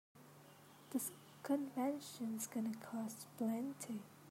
This convention's gonna cost plenty.